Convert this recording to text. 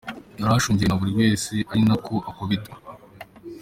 Yari ashungerewe na buri wese ari na ko akubitwa.